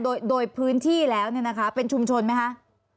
โดยพื้นที่แล้วเนี่ยนะคะเป็นชุมชนไหมคะ